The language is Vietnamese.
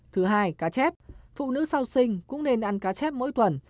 thứ hai cá chép phụ nữ sau sinh cũng nên ăn cá chép mỗi tuần